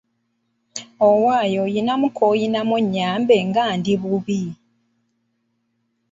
Owaaye olinamu koolinamu onnyambe nga ndi bubi.